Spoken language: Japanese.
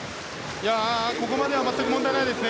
ここまでは全く問題ないです。